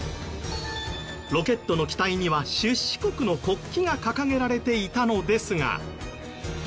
ロケットの機体には出資国の国旗が掲げられていたのですが。